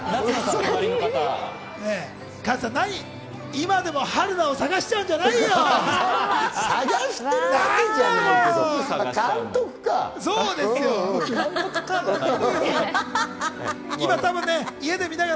今でも春菜を探しちゃうんじ監督か！